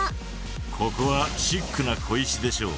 ここはシックな小石でしょう。